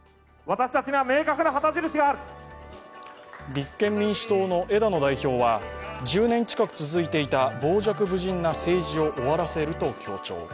立憲民主党の枝野代表は１０年近く続いていた傍若無人な政治を終わらせると強調。